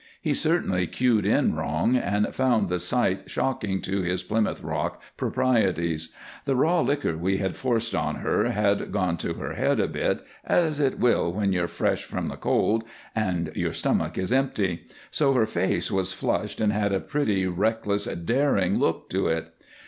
He certainly cued in wrong and found the sight shocking to his Plymouth Rock proprieties. The raw liquor we had forced on her had gone to her head a bit, as it will when you're fresh from the cold and your stomach is empty, so her face was flushed and had a pretty, reckless, daring look to it.